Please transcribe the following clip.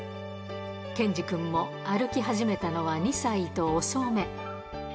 ケンジくんも歩き始めたのは２歳と遅め。